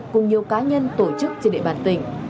cùng nhiều cá nhân tổ chức trên địa bàn tỉnh